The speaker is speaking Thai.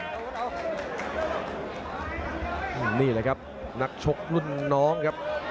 นี่แหละครับนักชกรุ่นน้องครับ